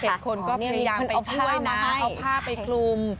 คนก็พยายามไปช่วยนะเอาผ้าไปคลุม